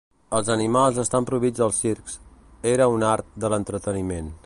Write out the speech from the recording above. Els animals estan prohibits als circs. Era un art de l'entreteniment.